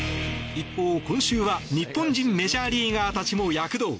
一方、今週は日本人メジャーリーガーたちも躍動。